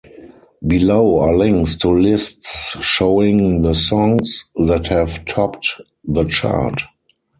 Below are links to lists showing the songs that have topped the chart.